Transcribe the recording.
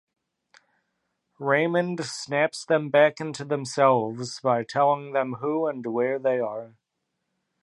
Raymond snaps them back into themselves by telling them who and where they are.